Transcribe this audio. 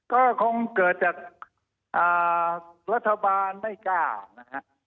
ก็คงเกิดจากรัฐบาลไม่กล้านะฮะ